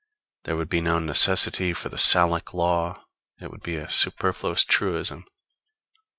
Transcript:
There would be no necessity for the Salic law: it would be a superfluous truism.